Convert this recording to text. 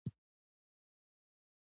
ټوله پانګه اوس یو سل لس میلیونه افغانۍ ده